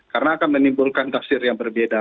karena akan menimbulkan taksir yang berbeda